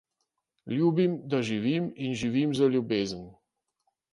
Ljubim, da živim in živim za ljubezen.